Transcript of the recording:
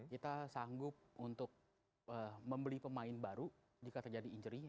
kita sanggup untuk membeli pemain baru jika terjadi injury